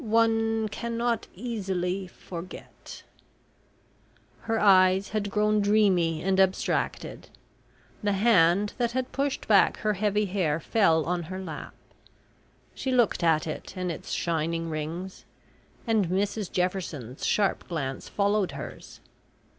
one cannot easily forget..." Her eyes had grown dreamy and abstracted. The hand that had pushed back her heavy hair fell on her lap. She looked at it and its shining rings, and Mrs Jefferson's sharp glance followed hers.